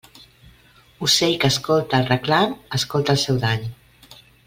Ocell que escolta el reclam escolta el seu dany.